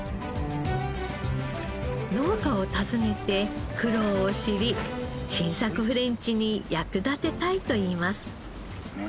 農家を訪ねて苦労を知り新作フレンチに役立てたいといいます。